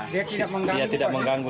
dia tidak mengganggu